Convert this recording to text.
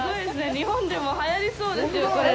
日本でも、はやりそうですよ、これ。